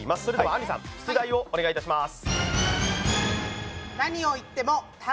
あんりさん、出題をお願いします。